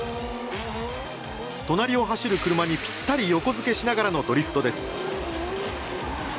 隣を走る車にピッタリ横付けしながらのドリフトです。